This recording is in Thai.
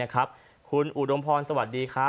คุณอุดมพรสวัสดีครับ